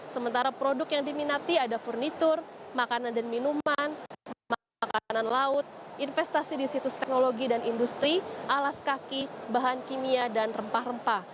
sementara produk yang diminati ada furnitur makanan dan minuman makanan laut investasi di situs teknologi dan industri alas kaki bahan kimia dan rempah rempah